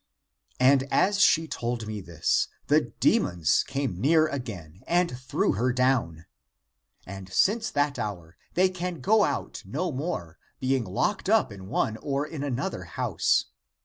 And as she told me this, the demons came near again and threw her down. And since that hour they can go out no more, being locked up in one or in another house.